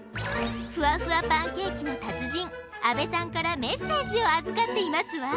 ふわふわパンケーキの達人阿部さんからメッセージを預かっていますわ！